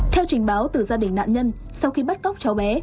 theo trình báo từ gia đình nạn nhân sau khi bắt cóc cháu bé